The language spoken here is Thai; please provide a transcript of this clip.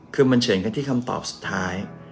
คือมันเฉินกันที่คำตอบสุดท้าย